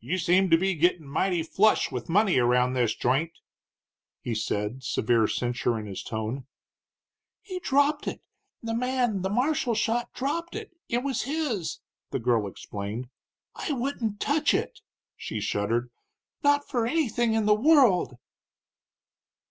"You seem to be gettin' mighty flush with money around this joint," he said, severe censure in his tone. "He dropped it the man the marshal shot dropped it it was his," the girl explained. "I wouldn't touch it!" she shuddered, "not for anything in the world!"